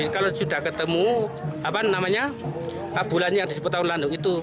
kalau sudah ketemu bulan yang disebut tahun landung itu